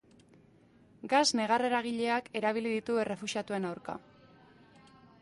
Gas negar-eragileak erabili ditu errefuxiatuen aurka.